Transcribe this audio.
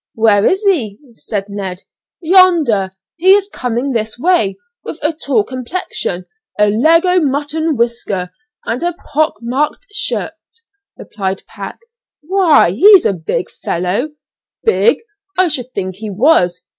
"Where is he?" said Ned. "Yonder; he is coming this way, with a tall complexion, a leg o' mutton whisker, and a pock marked shirt," replied Pat. "Why, he's a big fellow?" "Big! I should think he was.